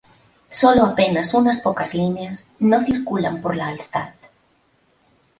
Sólo apenas unas pocas líneas no circulan por la Altstadt.